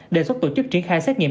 đề xuất tổ chức triển khai xét nghiệm